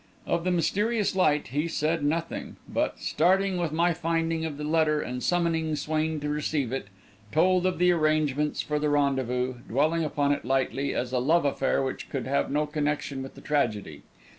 Of the mysterious light he said nothing, but, starting with my finding of the letter and summoning Swain to receive it, told of the arrangements for the rendezvous, dwelling upon it lightly, as a love affair which could have no connection with the tragedy.